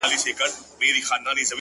اوس يې صرف غزل لولم!! زما لونگ مړ دی!!